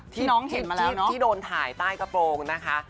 ที่น้องเห็นมาแล้วที่โดนถ่ายใต้กระโปรงนะคะ